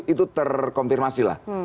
itu terkonfirmasi lah